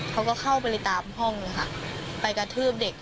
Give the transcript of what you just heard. เขาก็เข้าไปตามห้องเลยค่ะไปกระทืบเด็ก